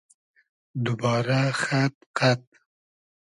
دوبارۂ خئد قئد